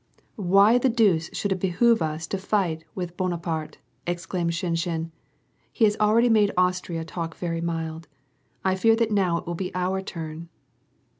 " Why the deuce should it behoove us to fight with Bona parte,*' exclaimed Shinshin; "he has already made Austria talk very mild. I fear that now it will be our turn."